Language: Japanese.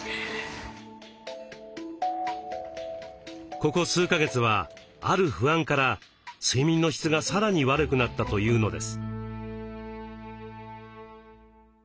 ここ数か月はある不安から睡眠の質がさらに悪くなったというのです。